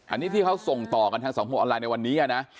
อันนี้ที่เขาส่งต่อกันทางสังคมออนไลน์ในวันนี้นะ